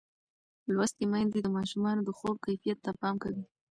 لوستې میندې د ماشومانو د خوب کیفیت ته پام کوي.